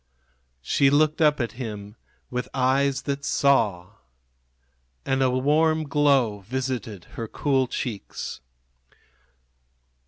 She looked up at him with eyes that saw. And a warm glow visited her cool cheeks.